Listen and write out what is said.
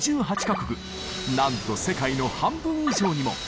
なんと世界の半分以上にも。